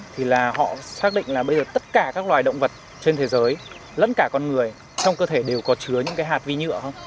thì là họ xác định là bây giờ tất cả các loài động vật trên thế giới lẫn cả con người trong cơ thể đều có chứa những cái hạt vi nhựa không